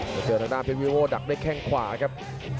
จะเจอด้านเพชรวีโวดักด้วยแค่งขวาครับ